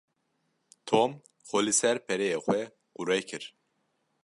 Tom xwe li ser pereyê xwe qure kir.